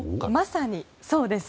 まさにそうです。